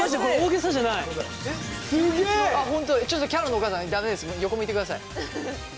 ちょっときゃのんのお母さん駄目です横向いてください。